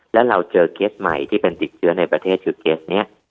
แล้วเราเจอเคสใหม่ที่เป็นติดเชื้อในประเทศคือเคสนี้